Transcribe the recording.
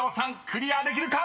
クリアできるか？］